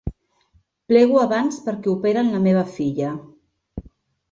Plego abans perquè operen la meva filla.